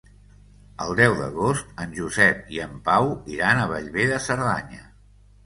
El deu d'agost en Josep i en Pau iran a Bellver de Cerdanya.